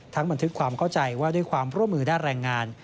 บันทึกความเข้าใจว่าด้วยความร่วมมือด้านแรงงาน